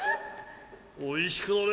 おいしくなれ！